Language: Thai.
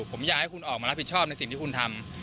ผมอยากให้คุณออกมารับผิดชอบในสิ่งที่คุณทำ